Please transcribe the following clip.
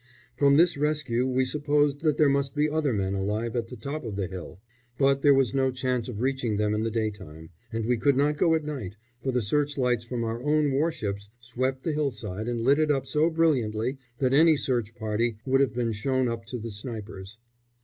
From this rescue we supposed that there must be other men alive at the top of the hill; but there was no chance of reaching them in the daytime, and we could not go at night, for the searchlights from our own warships swept the hillside and lit it up so brilliantly that any search party would have been shown up to the snipers.